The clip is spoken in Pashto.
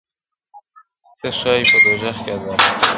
تا ته ښایی په دوږخ کي عذابونه!.